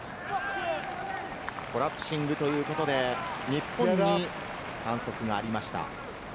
コラプシングということで、日本に反則がありました。